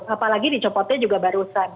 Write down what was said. apalagi dicopotnya juga barusan